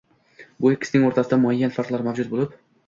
– bu ikkisining o‘rtasida muayyan farqlar mavjud bo‘lib